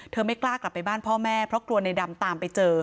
ไม่กล้ากลับไปบ้านพ่อแม่เพราะกลัวในดำตามไปเจอ